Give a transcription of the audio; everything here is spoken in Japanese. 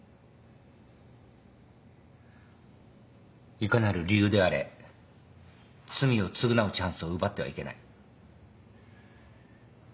いかなる理由であれ罪を償うチャンスを奪ってはいけない。